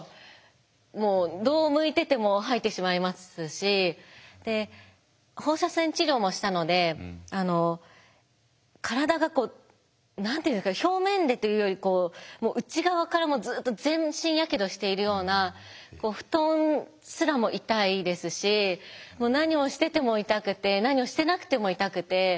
もうどう向いてても吐いてしまいますしで放射線治療もしたので体がこう何て言うんですか表面でというより内側からずっと全身やけどしているような布団すらも痛いですし何をしてても痛くて何をしてなくても痛くて。